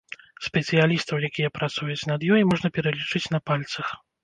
Спецыялістаў, якія працуюць над ёй, можна пералічыць па пальцах.